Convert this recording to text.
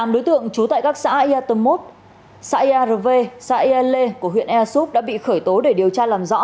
hai mươi tám đối tượng trú tại các xã yatomot xã erv xã ell của huyện easup đã bị khởi tố để điều tra làm rõ